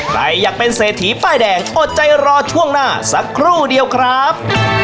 ใครอยากเป็นเศรษฐีป้ายแดงอดใจรอช่วงหน้าสักครู่เดียวครับ